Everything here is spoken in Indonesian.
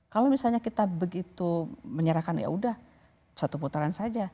kalau misalnya kita begitu menyerahkan ya udah satu putaran saja